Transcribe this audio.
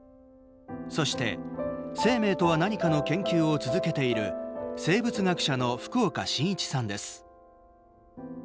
そして生命とは何かの研究を続けている生物学者の福岡伸一さんです。